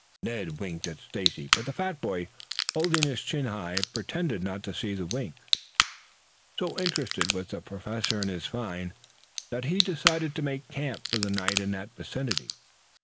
Ned winked at Stacy, but the fat boy, holding his chin high, pretended not to see the wink. So interested was the Professor in his find that he decided to make camp for the night in that vicinity.